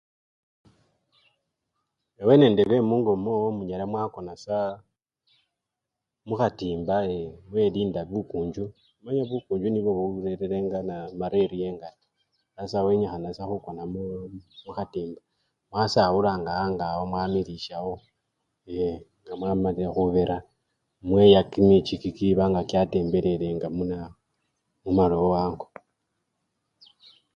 Ewe nende bemungo mwowo munyala mwakona saa mukhatimba yee! mwelinda bukunjju, omanye bukunjju nibwo burerirenga naa! maleriya engali sasa wenyikhana khuukona muu! mukhatimba mwasawulanga ango awo mwamilishawo Eee! ngamwamalili khubera, mweya kimichi kikiba nga kyatembelele nga munaa! mumalowo ango.